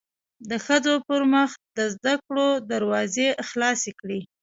د ښځو پرمخ د زده کړو دروازې خلاصې کړی